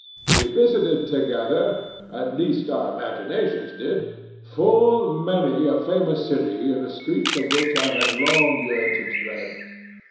We visited together—at least, our imaginations did—full many a famous city in the streets of which I had long yearned to tread.